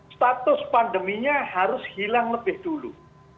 status pandeminya harus hilang lebih dulu